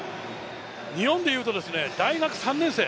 日本でいうと大学３年生。